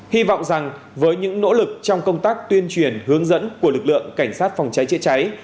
hy vọng rằng với những nỗ lực trong công tác tuyên truyền hướng dẫn của lực lượng cảnh sát phòng cháy chữa cháy